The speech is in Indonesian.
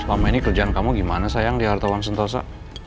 selama ini kerjaan kamu gimana sayang di hartawan sentosa